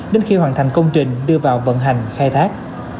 đến khi hoàn thành công trình đưa vào vận hành khai thác